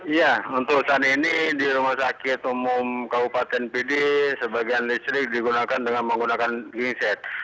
iya untuk saat ini di rumah sakit umum kabupaten pd sebagian listrik digunakan dengan menggunakan gset